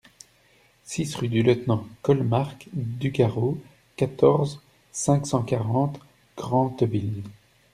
six rue du Lt Col Marc Dugarreau, quatorze, cinq cent quarante, Grentheville